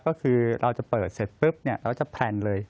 ก็คือเราจะเปิดเสร็จปุ๊บเนี่ยแล้วก็จะแพลนเลย